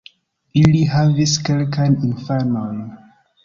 Ili havis kelkajn infanojn.